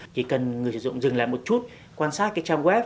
chỉ cần người sử dụng dừng lại một chút quan sát cái trang web